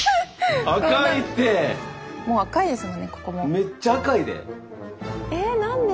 めっちゃ赤いで。